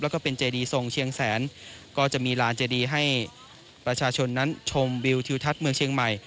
แล้วก็เป็นเจดีทรงเชียงแสนก็จะมีลานเจดีให้ประชาชนนั้นชมวิวทิวทัศน์เมืองเชียงใหม่